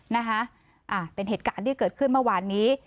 นะคะอ่าเป็นเหตุการณ์ที่เกิดขึ้นเมื่อวานนี้